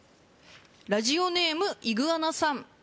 ラジオネームイグアナさん